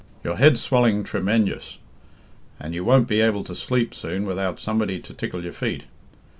Your head's swelling tre menjous, and you won't be able to sleep soon without somebody to tickle your feet.